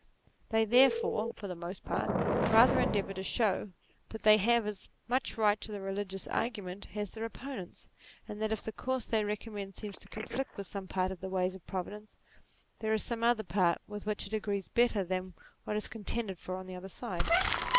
They NATURE 25 therefore, for the most part, rather endeavour to show, that they have as much right to the religious argu ment as their opponents, and that if the course they recommend seems to conflict with some part of the ways of Providence, there is some other part with which it agrees better than what is contended for on the other side.